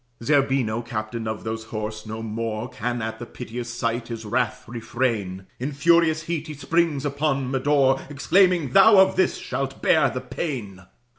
Zerbino, captain of those horse, no more Can at the piteous sight his wrath refrain; In furious heat he springs, upon Medore, Exclaiming, "Thou of this shalt bear the pain."